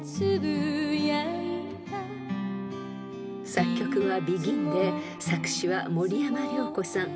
［作曲はＢＥＧＩＮで作詞は森山良子さん］